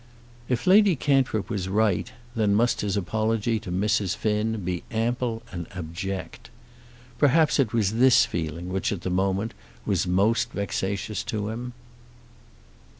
If Lady Cantrip was right, then must his apology to Mrs. Finn be ample and abject. Perhaps it was this feeling which at the moment was most vexatious to him.